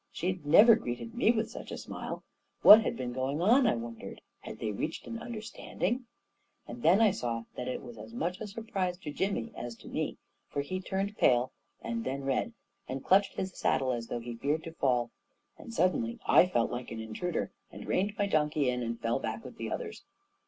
She had never greeted me with such a smile. What had been going on, I wondered? Had they reached an understanding ... A KING IN BABYLON 135, And then I saw that it was as much a surprise to Jimmy as to me; for he turned pale and then red, and clutched his saddle as though he feared to fall. And suddenly I felt like an intruder, and reined my donkey in and fell back with the others.